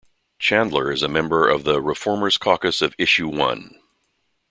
Chandler is a member of the ReFormers Caucus of Issue One.